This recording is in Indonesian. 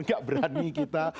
enggak berani kita